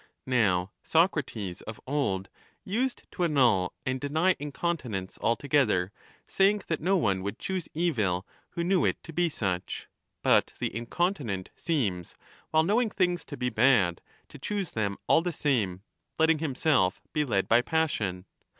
Now Socrates of old ^ used to annul and deny inconti 25 nence altogether, saying that no one would choose evil who knew it to be such. But the incontinent seems, while know ing things to be bad, to choose them all the same, letting himself be led by passion.